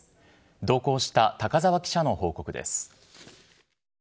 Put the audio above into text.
同行した高澤記者の報告です。